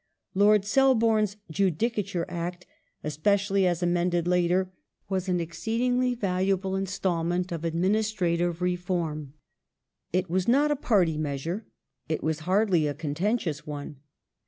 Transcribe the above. ^ Lord Selborne's Judicature Act, especially as amended later, was an exceedingly valuable instalment of administrative reform. It was not a party measure ; it was hardly a contentious one.